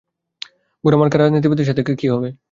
ঘোড়া মার্কা রাজনীতিবিদদের তাহলে কী হবে?